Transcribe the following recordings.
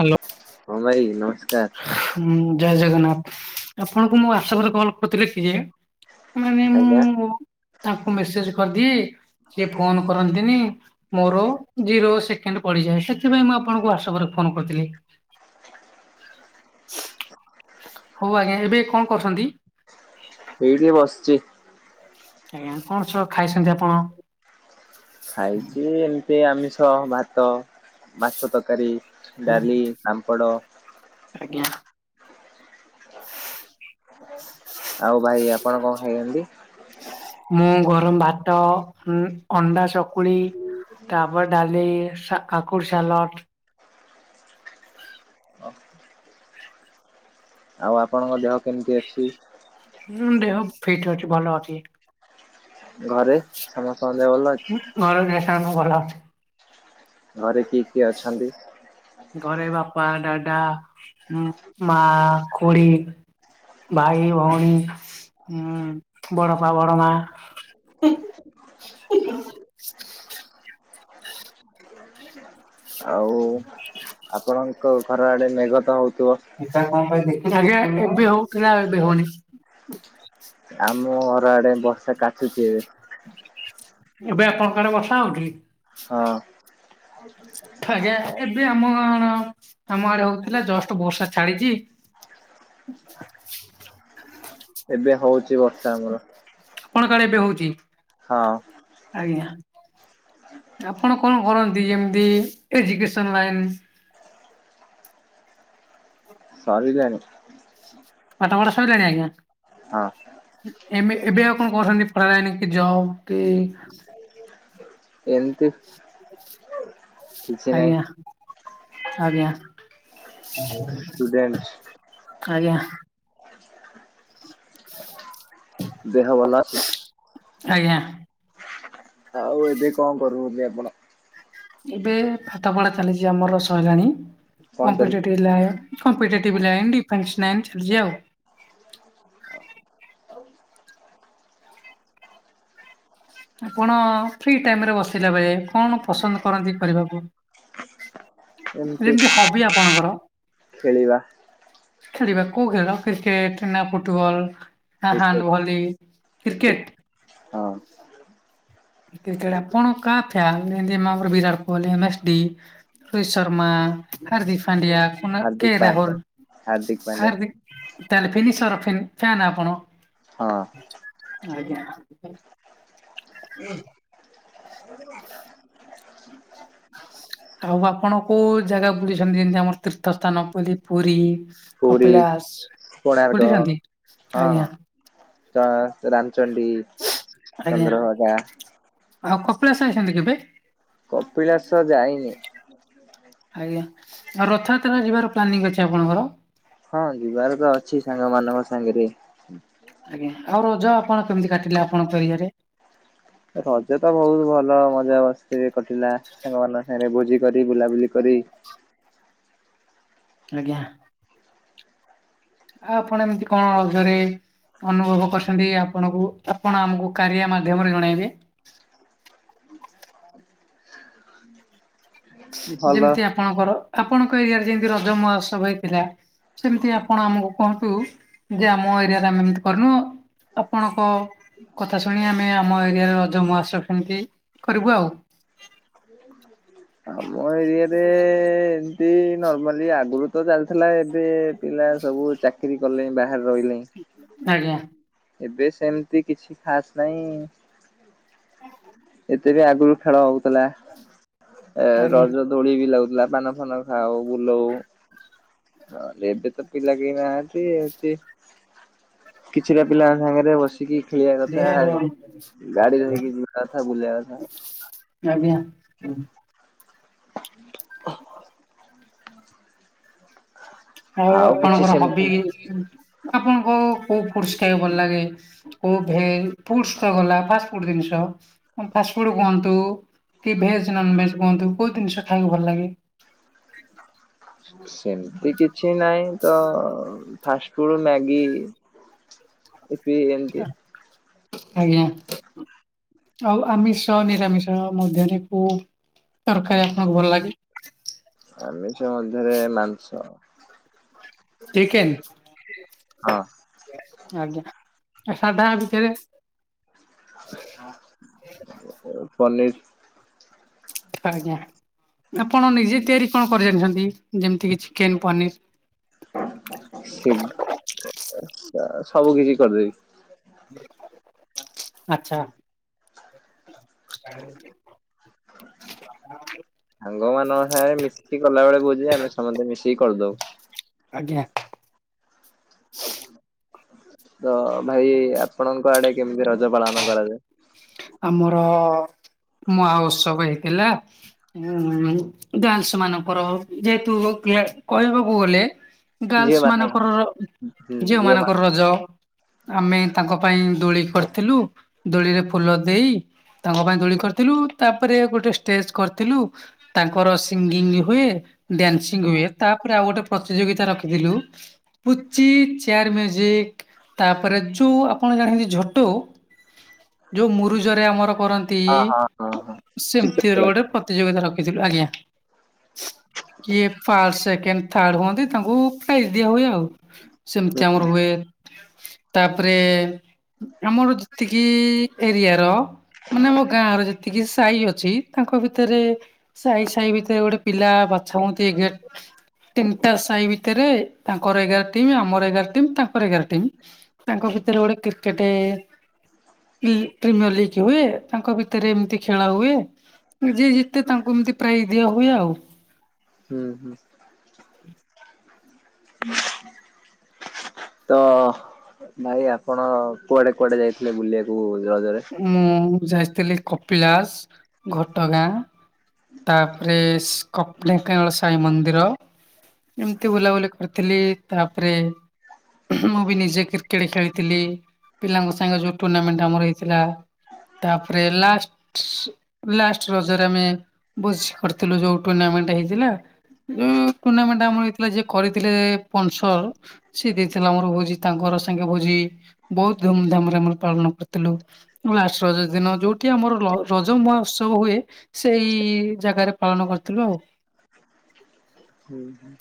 Hello ହଁ ଭାଇ ନମସ୍କାର। ହୁଁ ଜୟ ଜଗନ୍ନାଥ ଆପଣଙ୍କୁ ମୁଁ ୍ାଟସପ ରେ କଲ କରିୁଥିଲି କି ମାନେ ଆଜ୍ଞା। ମୁଁ ତାଙ୍କୁ ମେସେଜ କରିଦି ସିଏ ଫୋନ କରନ୍ତିନି। ମୋର ଜିରୋ ସେକେଣ୍ଡ ପଡିଯାଏ ସେଥିପାଇଁ ମୁଁ ଆପଣଙ୍କୁ ହଟସପ ରେ ଫୋନ କରିଥିଲି। ହୋଉ ଆଜ୍ଞା ଏବେ କଣ କରୁଛନ୍ତି? ଏଇଠି ବସିଛି। ଆଜ୍ଞା କଣ ସ ଖାଇଛନ୍ତି ଆପଣ? ଖାଇଛି ଏମିତି ଆମିଷ ଭାତ ମାଛ ତରକାରୀ। ଡାଲି ସାମ୍ପଡ଼ ଆଜ୍ଞା। ହ ଆଉ ଭାଇ ଆପଣ କଣ ଖାଇଛନ୍ତି? ମୁଁ ଗରମ ଭାତ ଅଣ୍ଡା ଚକୁଳି ଟାବର ଡାଲି ଆାକୁ ସଲଟ ଓହୋ। ଆଉ ଆପଣଙ୍କ ଦେହ କେମିତି ଅଛି? ହୁଁ ଦେହ ଫିଟ ଅଛି ଭଲ ଅଛି। ଘରେ ସମସ୍ତ ଙ୍କ ଦେହପାଆ ଭଲ ଅଛି? ମର ଦେଶ ଭରା ଅଛି। ଘରେ କିଏ କିଏ ଅଛନ୍ତି? ଘରେ ବାପା ଡାଡା ମା ଖୋଡ଼ି। ଭାଇ ଭଉଣୀ ବଡ଼ପା ବଡ଼ମା। ଆଉ? ଆପଣଙ୍କ ଘର ଆଡେ ମେଘ ତ ହୋଉଥିବ? ଆଜ୍ଞା ଏବେ ହୋଉ ଥିଲା ଏବେ ହୋଉନି। ଆମ ଘର ଆଡେ ବର୍ଷା କାଚୁଛି ଏବେ। ଏବେ ଆପଣଙ୍କଡ ବର୍ସା ହୋଉଚି। ହଁ। ଆଜ୍ଞା ଏବେ ଆମ ଆମ ଆଡେ ହଉଥିଲା ଜଷ୍ଟ ବର୍ଷା ଛାଡିଚି। ଏବେ ହଉଛି ବର୍ଷା ଆମର। ଆପଣଙ୍କ ଆଡେ ଏବେ ହଉଚି। ହଁ ଆଜ୍ଞା ଆପଣ କଣ କରନ୍ତି ଏମିତି ଏଜୁକେସନ ଲାଇନ ସାରିଲଣି। ପାଠ ପଢା ସଇଲାଣି ଆଜ୍ଞା। ହଁ। ଏବେ ଏବେ ଆଉ କଣ କରହୁଛନ୍ତି ପ୍ରାୟ ନେଇକି ଯାଓ କି ଏମତି ନାହିଁ ଆଜ୍ଞା ଆଜ୍ଞା। ଷ୍ଟୁଡେଣ୍ଟ ଆଜ୍ଞା ଦେହ ଭଲ ଅଛି। ଆଜ୍ଞା। ଆଉ ଏବେ କଣ କରୁଚନ୍ତି ଆପଣ? ଏବେ ଫାଟ ପଢା ଚାଲିଛି ଆମର ସଇଲାଣି କଣ କମ୍ପି [unintelligible] ଚାଲିଛି କମ୍ପିଟେଟିଭ୍ଡି ଲାଇନ [unintelligible] ଲାଇନ ଚାଲିଛି ଆଉ। ଆପଣ ଫ୍ରି ଟାଇମ ରେ ବସିଲା ବେଳେ କଣ ପସନ୍ଦ କରନ୍ତି କରିବାକୁ। ଏମିତି ଯେମିତି ହବି ଆପଣଙ୍କର। ଖେଳିବା। ଖେଳିବା କୋଉ ଖେଳ କ୍ରିକେଟ ନା ଫୁଟବଲ ନା କ୍ରିକେଟ ହ୍ୟାଣ୍ଡ ଭଲି। କ୍ରି- କ୍ରିକେଟ୍। ହଁ। କ୍ରିକେଟ ଆପଣ କା ଫ୳୲ନ [unintelligible] ବିରାଟ କୋହଲି ଏମସ୍ ଡି ରୋହିତ ଶର୍ମା ହାର୍ଦ୍ଦିକ ପାଣ୍ଡିଆ କୁନାଲ କେ ହାର୍ଦ୍ଦିକ ପାଣ୍ଡ୍ୟା ରାହୁଲ ହାର୍ଦ୍ଦିକ ପାଣ୍ଡ୍ୟା ହାର୍ଦ୍ଦିକ ତାହେଲେ ଫିନିସର ଫିନ୍ ଫ୳୲ନ ଆପଣ? ହଁ ଆଜ୍ଞା। ଓ ଏ ଆଉ ଆପଣ କୋଉ ଜାଗା ବୁଲିଛନ୍ତି ଯେମିତି ଆମର ତୀର୍ଥ ସ୍ଥାନ ବୋଲି ପୁରୀ। ପୁରୀ କପିଳାସ କୋଣାର୍କ ବୁଝୁଛନ୍ତି ହଁ ହଁ ଆଜ୍ଞା। ତ ରାମଚଣ୍ଡୀ। ଆଜ୍ଞା ଚନ୍ଦ୍ରଭାଗା ଆଉ କପିଳାସ ଯାଇଛନ୍ତି କେବେ? କପିଳାସ ଯାଇନି। ହ ଆଜ୍ଞା ଆଉ ରଥଯାତ୍ରା ଯିବାର ପ୍ଲାନିଂ ଅଛି ଆପଣଙ୍କର। ହଁ ଯିବାର ତ ଅଛି ସାଙ୍ଗ ମାନଙ୍କ ସାଙ୍ଗେରେ। ଆଜ୍ଞା ଆଉ ରଜ ଆପଣ କେମିତି କାଟିଲେ ଆପଣଙ୍କ ଏରିଆରେ। ରଜ ତ ବହୁତ ଭଲ ମଜା ମସ୍ତିରେ କଟିଲା ସାଙ୍ଗ ମାନଙ୍କ ସାଙ୍ଗରେ ଭୋଜି କରି ବୁଲାବୁଲି କରି ଆଜ୍ଞା। ଆଉ ଆପଣ ଏମିତି କଣ ରଜରେ ଅନୁଭବ କରିଛନ୍ତି ଆପଣଙ୍କୁ, ଆପଣ ଆମକୁ କାରିଆ ମାଧ୍ୟମରେ ଜଣେଇବେ। ଭଲ ଯେମିତି ଆପଣଙ୍କର ଆପଣଙ୍କ ଏରିଆରେ ଯେମତି ରଜ ମହୋତ୍ସବ ହେଇଥିଲା। ସେମତି ଆପଣ ଆମକୁ କୁହନ୍ତୁ, ଯେ ଆମ ଏରିଆରେ ଆମେ ଏମିତି କରିନୁ। ଆପଣଙ୍କ କଥା ଶୁଣି ଆମେ ଆମ ଏରିଆରେ ରଜ ମହୋତ୍ସବ ସେମିତି କରିବୁ ଆଉ। ହଁ। ଆମ ଏରିଆରେ ଏ ଏମିତି ନର୍ମାଲି ଆଗରୁ ତ ଚାଲିଥିଲା ଏବେ ପିଲା ସବୁ ଚାକି ଚାକିରୀ କଲେଇଁ ବାହାରେ ରହିଲେଇଁ। ଆଜ୍ଞା। ଏବେ ସେମିତି କିଛି ଖାସ ନାହିଁ, ଏ ବି ଆଗୁରୁ ଖେଳ ହଉଥିଲା, ଏ ଆଜ୍ଞା। ରଜ ଦୋଳି ବି ଲାଗୁଥିଲା, ପାନ ଫାନ ଖାଉ, ବୁଲଉଁ। ଏବେ ତ ପିଲା କେହିନାହାଁନ୍ତି, ଏମତି କିଛିଟା ପିଲାଙ୍କ ସାଙ୍ଗରେ ବସିକି ଖେଳିବା କଥା, ଗାଡି ଧରିକି ଯିବା କଥା, ବୁଲିବା କଥା। ଆଜ୍ଞା। ଆଉ କିଛି ଆପଣଙ୍କର ହବି, ସେମିତି ଆପଣଙ୍କୁ କୋଉ ଫୁଡସ୍ ଖାଇବାକୁ ଭଲ ଲାଗେ? ସବୁ ଭେଜ୍ ଫୁଡସ୍ ତ ଗଲା ଫାଷ୍ଟ୍ ଫୁଡ୍ ଜିନିଷ, ଫାଷ୍ଟଫୁଡ୍ କୁହନ୍ତୁ କି ଭେଜ୍, ନନ୍ ଭେଜ୍ କୁହନ୍ତୁ କୋଉ ଜିନିଷ ଖାଇବାକୁ ଭଲ ଲାଗେ? ସେମିତି କିଛି ନାହିଁ ତ ଫାଷ୍ଟଫୁଡ୍, ମ୍ୟାଗି ଇପୀ, ଏମତି ଆଜ୍ଞା। ଆଉ ଆମିଷ, ନିରାମିଷ ମଧ୍ୟରେ କୋଉ ତରକାରୀ ଆପଣଙ୍କୁ ଭଲ ଲାଗେ? ଆମିଷ ମଧ୍ୟରେ ମାଂସ। ଚିକେନ? ହଁ ଆଜ୍ଞା। ଆ ସାଧା ଭିତରେ? ପନିର୍। ଆଜ୍ଞା। ଆପଣ ନିଜେ ତିଆରି କଣ କରି ଜାଣିଛନ୍ତି? ଯେମତି କିି ଚିକେନ, ପନିର। ସେଗ ସବୁ କିଛି କରିଦେବି। ଆଚ୍ଛା। ସାଙ୍ଗମାନଙ୍କ ସାଙ୍ଗରେ ମିଶିକି କଲାବେଳେ ଭୋଜି, ଆମେ ସମସ୍ତେ ମିଶିକି କରିଦଉ। ଆଜ୍ଞା। ତ ଭାଇ, ଆପଣଙ୍କ ଆଡେ କେମିତି ରଜ ପାଳନ କରାଯାଏ? ଆମର ମହାଉତ୍ସବ ହେଇଥିଲା। ଉଁ ହୁଁ, ଗାର୍ଲ୍ସ ମାନଙ୍କର ଯେହେତୁ କ୍ଲି କହିବାକୁ ଗଲେ ଝିଅ ଗାର୍ଲ୍ସ ମାନଙ୍କ ମାନଙ୍କର, ହୁଁ ଝିଅ ମାନ ମାନଙ୍କର ରଜ। ଆମେ ତାଙ୍କ ପାଇଁ ଦୋଳି କରିଥିଲୁ, ଦୋଳିରେ ଫୁଲ ଦେଇ, ତାଙ୍କ ପାଇଁ ଦୋଳି କରିଥିଲୁ, ତାପରେ ଗୋଟେ ଷ୍ଟେଜ୍ କରିଥିଲୁ। ତାଙ୍କର ସିଙ୍ଗିଙ୍ଗ ହୁଏ। ଡ଼୍ୟାନ୍ସିଂ ହୁଏ। ତାପରେ ଆଉ ଗୋଟେ ପ୍ରତିଯୋଗିତା ରଖିଥିଲୁ। ପୁଚି, ଚେୟାର ମ୍ୟୁଜିକ, ତାପରେ ଚୁ ଯୋଉ ଆପଣ ଜାଣିଛନ୍ତି ଝୋଟୋ ଯୋଉ ମୁରୁଜରେ ଆମର କରନ୍ତି, ହଁ ହଁ ହଁ ହଁ ସେମିତିରେ ଚିତ୍ରକଳା ଗୋଟେ ପ ପ୍ରତିଯୋଗିତା ରଖିଥିଲୁ, ଆଜ୍ଞା। କିଏ ଫାଷ୍ଟ, ସେକେଣ୍ଡ ଥାର୍ଡ ହୁଅନ୍ତି ତାଙ୍କୁ ପ୍ରାଇଜ ଦିଆ ହୁଏ ଆଉ ସେମତି ଆମର ହୁଏ। ତାପରେ ଆମର ଯେତିକି ଏରିଆର ମାନେ ଆମ ଗାଁର ଯେତିକି ସାହି ଅଛି ତାଙ୍କ ଭିତରେ ସାହି ସାହି ଭିତରେ ଗୋଟେ ପିଲା ବଛା ହୁଅନ୍ତି ଏ ଗେଟ ତିନିଟା ସାହି ଭିତେରେ ତାଙ୍କର ଏଗାର ଟିମ୍, ଆମର ଏଗାର ଟିମ୍, ତାଙ୍କର ଏଗାର ଟିମ୍। ତାଙ୍କ ଭିତରେ ଗୋଟେ କ୍ରିକେଟେ ପ୍ରି ପ୍ରିମିୟର ଲିଗ୍ ହୁଏ ତାଙ୍କ ଭିତରେ ଏମତି ଖେଳ ହୁଏ। ଯିଏ ଜିତେ ତାଙ୍କୁ ଏମତି ପ୍ରାଇଜ୍ ଦିଆ ହୁଏ ଆଉ। ହୁଁ ହୁଁ। [inaudible] ତ ଭାଇ ଆପଣ କୁଆଡେ କୁଆଡେ ଯାଇଥିଲେ ବୁଲିବାକୁ ରଜରେ? ମୁଁ ଯାଇସଥିଲି କପିଳାସ, ଘଟଗାଁ ତାପରେସ କପିଳ ଢେଙ୍କାନାଳ ସାଇ ମନ୍ଦିର ଏମିତି ବୁଲାବୁଲି କରିଥିଲି ତାପରେ ମୁଁ ବି ନିଜେ କ୍ରିକେଟ ଖେଳିଥିଲି ପିଲାଙ୍କ ସାଙ୍ଗେ ଯୋଉ ଟୁର୍ଣ୍ଣାମେଣ୍ଟ ଆମର ହେଇ ଥିଲା ତାପରେ ଲାଷ୍ଟ ଲାଷ୍ଟ ରଜରେ ଆମେ ବସି କରିଥିଲୁ ଯୋଉ ଟୁର୍ଣ୍ଣାମେଣ୍ଟ ହେଇଥିଲା ଟୁର୍ଣ୍ଣାମେଣ୍ଟ ଆମର ହେଇଥିଲା ଯିଏ କରିଥିଲେ ପନସର ସିଏ ଦେଇଥିଲା ଆମର ଭୋଜି ତାଙ୍କର ସାଙ୍ଗେ ଭୋଜି ବହୁତ ଧୁମଧାମ ରେ ଆମର ପାଳନ କରି ଥିଲୁ ଲାଷ୍ଟ ରଜ ଦିନ ଯୋଉଠି ଆମର ର ରଜ ମହୋତ୍ସବ ହୁଏ ସେଇ ଜାଗାରେ ପାଳନ କରିଥିଲୁ ଆଉ। ହୁଁ ହୁଁ।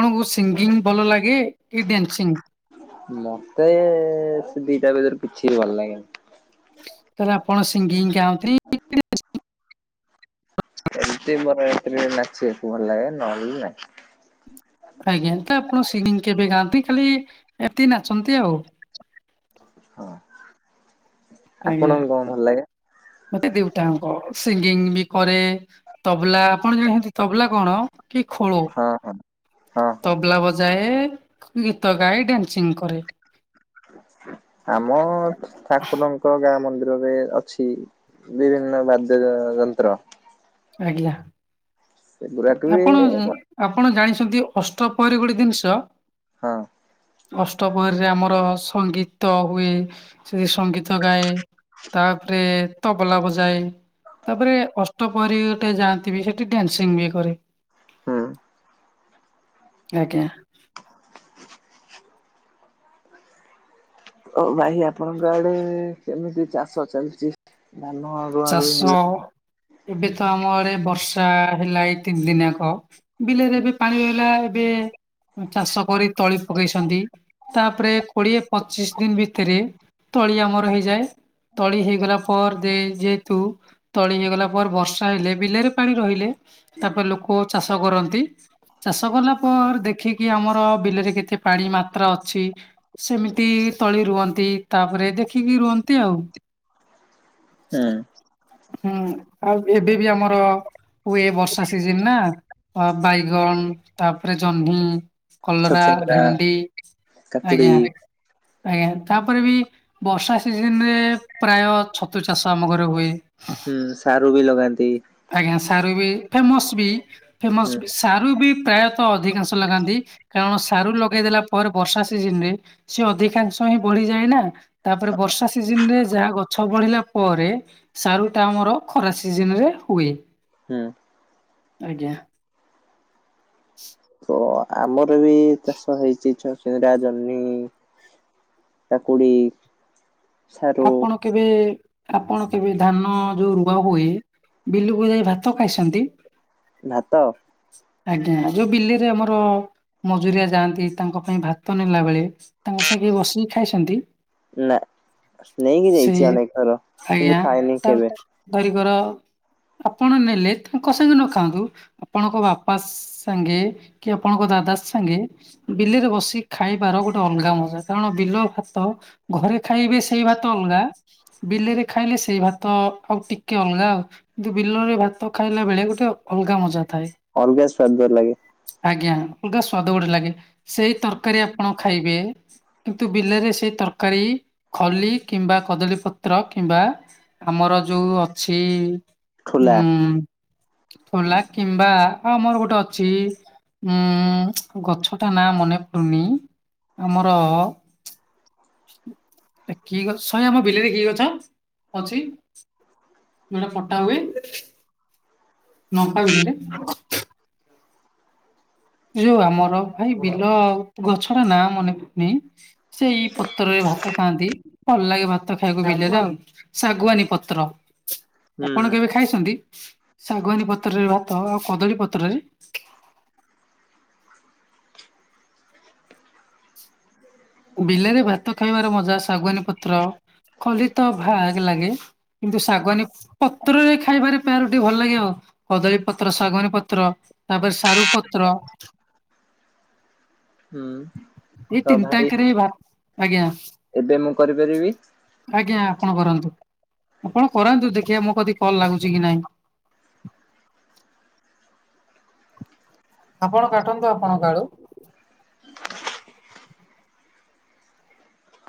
ଆପଣଙ୍କୁ ସିଙ୍ଗିଙ୍ଗ ଭଲ ଲାଗେ କି ଡ୍ୟାନ୍ସିଂ? ମତେ ସେ ଦିଟା ଭିତରୁ କିଛି ବି ଭଲ ଲାଗେନି। ତାହେଲେ ଆପଣ ସିଂଗିଂଗ ଗାଆନ୍ତି ଏମିତି ବରଯାତ୍ରୀରେ ନାଚିବାକୁ ଭଲ ଲାଗେ ନହେଲେ ନାଇଁ। ଆଜ୍ଞା ତ ଆପଣ ସିଙ୍ଗିଙ୍ଗ କେବେ ଗାଆନ୍ତି ଖାଲି ଏମିତି ନାଚନ୍ତି ଆଉ। ହଁ। ଆଜ୍ଞା ଆପଣଙ୍କୁ କଣ ଭଲ ଲାଗେ? ମତେ ଦଉଟାଙ୍କ ସିଙ୍ଗିଙ୍ଗ ବି କରେ ତବଲା ଆପଣ ଜାଣଛନ୍ତି ତବଲା କଣ କି ଖୋଳ? ହଁ ହଁ ହଁ ହଁ ତବଲା ବଜାଏ, ଗୀତ ଗାଏ, ଡାନ୍ସିଂ କରେ। ଆମ ଠାକୁରଙ୍କ ଙ୍କ ଗାଁ ମନ୍ଦିରରେ ଅଛି ବିଭିନ୍ନ ବାଦ୍ୟ ଯନ୍ତ୍ର। ଆଜ୍ଞା ସେଗୁଡାକ ବି ଆପଣ ଆପଣ ଜାଣିଛନ୍ତି ଅଷ୍ଟପହରୀ ଗୋଟେ ଜିନିଷ ହଁ ଅଷ୍ଟପହରୀରେ ଆମର ସଙ୍ଗୀତ ହୁଏ। ସେଠି ସଙ୍ଗୀତ ଗାଏ ତାପରେ ତବଲା ବଜାଏ। ତାପରେ ଅଷ୍ଟପହରି ଗୋଟେ ଯାଆନ୍ତି ବି ସେଠି ଡନ୍ସିଂ ବି କରେ। ହୁଁ। ଆଜ୍ଞା। ଓ ଭାଇ ଆପଣଙ୍କ ଆଡେ କେମିତି ଚାଷ ଚାଲିଛି? ଧାନ ଆଗ ଚାଷ ଏବେ ତ ଆମ ଆଡେ ବର୍ଷା ହେଲା ଏ ତିନି ଦିନିଆକ ବିଲରେ ଏବେ ପାଣି ରହିଲା ଏବେ ଚାଷ କରି ତଳି ପକେଇଛନ୍ତି। ତାପରେ କୋଡିଏ ପଚିଶ ଦିନ ଭିତରେ ତଳି ଆମର ହେଇଯାଏ। ତଳି ହେଇଗଲା ପର ଦେ ଯେହେତୁ ତଳି ହେଇଗଲା ପରେ ବର୍ଷା ହେଲେ ବିଲରେ ପାଣି ରହିଲେ ତାପରେ ଲୋକ ଚାଷ କରନ୍ତି। ଚାଷ କଲା ପରେ ଦେଖିକି ଆମର ବିଲରେ କେତେ ପାଣି ମାତ୍ରା ଅଛି। ସେମିତି ତଳି ରୁଅନ୍ତି ତାପରେ ଦେଖିକି ରୁଅନ୍ତି ଆଉ। ହୁଁ ହୁଁ ଆଉ ଏବେ ବି ଆମର ହୁଏ ବର୍ଷା ସିଜନ୍ ନା ଅ ବାଇଗଣ ତାପରେ ଜହ୍ନି କଲରା, ଛଚିନ୍ଦ୍ରା ଭେଣ୍ଡି, କାକୁଡି ଆଜ୍ଞା। ଆଜ୍ଞା ତାପରେ ବି ବର୍ଷା ସିଜିନରେ ପ୍ରାୟ ଛ ତୁ ଚାଷ ଆମ ଘରେ ହୁଏ। ହୁଁ ସାରୁ ବି ଲଗାନ୍ତି। ଆଜ୍ଞା ସାରୁ ବି ଫେମସ୍ ବି ଫେମସ୍ ହୁଁ ବି, ସାରୁ ବି ପ୍ରାୟତଃ ଅଧିକାଂଶ ଲଗାନ୍ତି। କାରଣ ସାରୁ ଲଗେଇଦେଲା ପରେ ବର୍ଷା ସିଜିନରେ ସିଏ ଅଧିକାଂଶ ହିଁ ବଢ଼ିଯାଏ ନା। ତାପରେ ବର୍ଷା ସିଜିନରେ ଯାହା ଗଛ ବଢ଼ିଲା ପରେ ସାରୁଟା ଆମର ଖରା ସିଜିନରେ ହୁଏ, ହୁଁ। ଆଜ୍ଞା। ତ ଆମର ବି ଚାଷ ହେଇଛି ଚାଷ। [unintelligible] ଜହ୍ନି, କାକୁଡି ସାରୁ ଆପଣ କେବେ, ଆପଣ କେବେ ଧାନ ଯୋଉ ରୁଆ ହୁଏ ବିଲକୁ ଯାଇ ଭାତ ଖାଇସନ୍ତି? ଭାତ? ଆଜ୍ଞା ଯୋଉ ବିଲେରେ ଆମର ମଜୁରିଆ ଯାଆନ୍ତି ତାଙ୍କ ପାଇଁ ଭାତ ନେଲାବେଳେ ତାଙ୍କ ସାଙ୍ଗେ କେବେ ବସିକି ଖାଇଛନ୍ତି? ନାଁ, ନେଇକି ସେ ଯାଇଚି ଅନେକ ଥର ଆଜ୍ଞା କିନ୍ତୁ ଖାଇନି ତା କେବେ। ଧରିକର ଆପଣ ନେଲେ ତାଙ୍କ ସାଙ୍ଗେ ନ ଖାଆନ୍ତୁ ଆପଣଙ୍କ ବାପା ସାଙ୍ଗେ କି ଆପଣଙ୍କ ଦାଦା ସାଙ୍ଗେ ବିଲରେ ବସି ଖାଇବାର ଗୋଟେ ଅଲଗା ମଜା କାରଣ ବିଲ ଭାତ ଘରେ ଖାଇବେ ସେଇ ଭାତ ଅଲଗା, ବିଲରେ ଖାଇଲେ ସେଇ ଭାତ ଆଉ ଟିକେ ଅଲଗା ଆଉ। କିନ୍ତୁ ବିଲରେ ଭାତ ଖାଇଲା ବେଳେ ଗୋଟେ ଅଲଗା ମଜା ଥାଏ। ଅଲଗା ସ୍ଵାଦ ଲାଗେ। ଆଜ୍ଞା ଅଲଗା ସ୍ଵାଦ ଗୋଟେ ଲାଗେ, ସେଇ ତରକାରୀ ଆପଣ ଖାଇବେ କିନ୍ତୁ ବିଲରେ ସେ ତରକାରୀ ଖଲି କିମ୍ବା କଦଳୀ ପତ୍ର କିମ୍ବା ଆମର ଯୋଉ ଅଛି ଠୋଲା। ହୁଁ, ଠୋଲା କିମ୍ବା ହଁ ମୋର ଗୋଟେ ଅଛି ଉଁ ଗଛଟା ନାଁ ମନେପଡୁନି ଆମର ଏ କି ଗଛ ସଇ ଆମ ବିଲରେ କି ଗଛ ଅଛି? ଯୋଉଟା ପଟା ହୁଏ, ନମ୍ପା ବିଲରେ? ଏ ଯୋଉ ଆମର ଭାଇ ବିଲ ଆଉ ଗଛର ନାଁ ମନେ ପଡୁନି ସେଇ ପତ୍ରରେ ଭାତ ଖାଆନ୍ତି ଭଲ ଲାଗେ ଭାତ ଖାଇବାକୁ ବିଲରେ ଆଉ। ଶାଗୁଆନୀ ପତ୍ର। ହୁଁ ଆପଣ କେବେ ଖାଇଛନ୍ତି, ଶାଗୁଆନୀ ପତ୍ରରେ ଭାତ ଆଉ କଦଳୀ ପତ୍ରରେ? ବିଲରେ ଭାତ ଖାଇବାର ମଜା ଶାଗୁଆନୀ ପତ୍ର, ଖଲିତ ଭାଗ୍ ଲାଗେ। କିନ୍ତୁ ଶାଗୁଆନୀ ପତ୍ରରେ ଖାଇବାରେ ପ୍ରୟୋରୋଟି ଭଲ ଲାଗେ ଆଉ, କଦଳୀ ପତ୍ର ଶାଗୁଆନୀ ପତ୍ର। ତାପରେ ସାରୁ ପତ୍ର। ହୁଁ। ଏଇ ତ ଭାଇ ତିନିତାଙ୍କରେ ଭା ଆଜ୍ଞା। ଏବେ ମୁଁ କରିପାରିବି? ଆଜ୍ଞା ଆପଣ କରନ୍ତୁ ଆପଣ କରାନ୍ତୁ ଦେଖିବା ମୋ କତିକି କଲ୍ ଲାଗୁଛି କି ନାହିଁ। ଆପଣ କାଟନ୍ତୁ ଆପଣଙ୍କ ଆଡୁ।